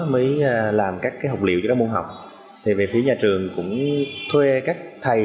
mới làm các cái hộc liệu cho các môn học thì vị phía nhà trường cũng thuê các thầy